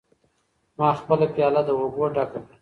ما خپله پیاله د اوبو ډکه کړه.